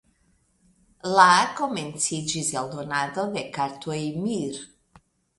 La komenciĝis eldonado de kartoj Mir.